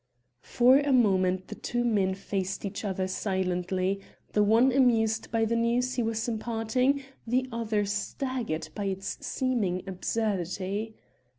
For a moment the two men faced each other silently, the one amused by the news he was imparting, the other staggered by its seeming absurdity.